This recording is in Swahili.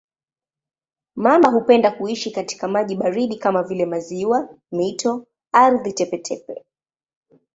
Mamba hupenda kuishi katika maji baridi kama vile maziwa, mito, ardhi tepe-tepe.